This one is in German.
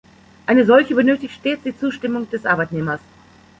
Eine solche benötigt stets die Zustimmung des Arbeitnehmers.